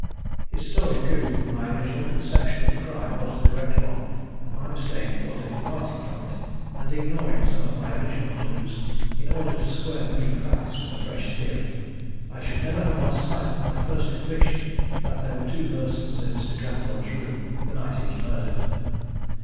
His story proved that my original conception of the crime was the correct one, and my mistake was in departing from it, and ignoring some of my original clues in order to square the new facts with a fresh theory. I should never have lost sight of my first conviction that there were two persons in Mr. Glenthorpe's room the night he was murdered.